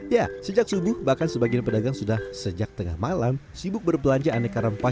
ya sejak subuh bahkan sebagian pedagang sudah sejak tengah malam sibuk berbelanja aneka rempah